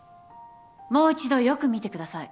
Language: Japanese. もう一度よく見てください。